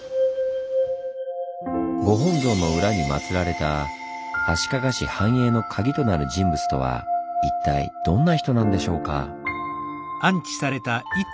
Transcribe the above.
ご本尊の裏に祀られた足利氏繁栄のカギとなる人物とは一体どんな人なんでしょうか？